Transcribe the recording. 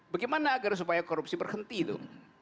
bagaimana agar supaya korupsi berhenti itu